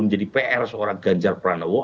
menjadi pr seorang ganjar pranowo